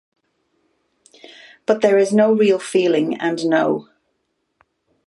But there is no real feeling and no.